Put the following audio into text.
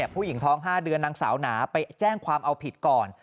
ผู้หญิงท้อง๕เดือนนางสาวหนาไปแจ้งความเอาผิดก่อน